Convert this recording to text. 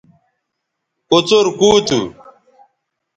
کوڅر کُو تھو